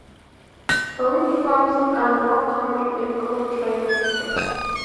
Both forms are more common in cold climates.